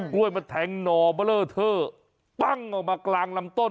กล้วยมันแทงหน่อเบลอเทอร์ปั้งออกมากลางลำต้น